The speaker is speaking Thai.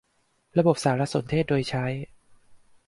ระบบสารสนเทศโดยใช้